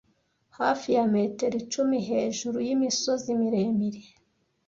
hafi ya metero icumi hejuru yimisozi miremire